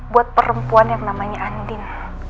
buat perempuan yang namanya andin